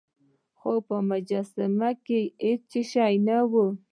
خو په مجسمه کې هیڅ شی نه و.